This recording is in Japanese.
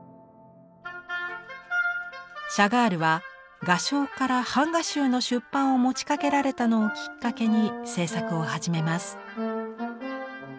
シャガールは画商から版画集の出版を持ちかけられたのをきっかけに制作を始めます。